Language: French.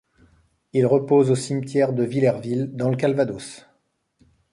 Il repose au cimetière de Villerville dans le Calvados.